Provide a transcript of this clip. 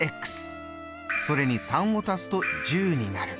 それに３を足すと１０になる。